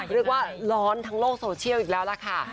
เรียกว่าร้อนทั้งโลกโซเชียลอีกแล้วล่ะค่ะ